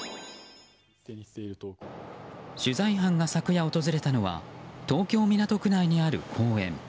取材班が昨夜訪れたのは東京・港区内にある公園。